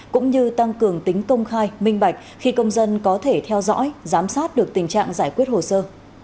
cũng như tăng cường tính công khai minh bạch khi công dân có thể theo dõi giám sát được tình trạng giải quyết hồ sơ